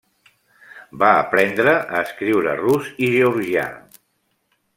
Va aprendre a escriure rus i georgià.